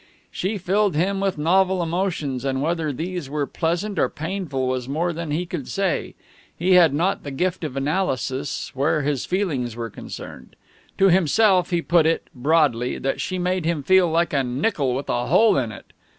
She filled him with novel emotions, and whether these were pleasant or painful was more than he could say. He had not the gift of analysis where his feelings were concerned. To himself he put it, broadly, that she made him feel like a nickel with a hole in it.